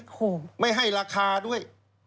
โอ้โหไม่ให้ราคาด้วย